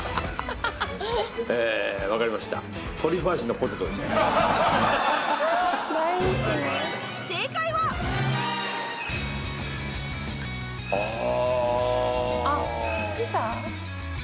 え分かりましたああっピザ？